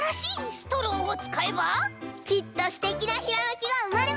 きっとすてきなひらめきがうまれます！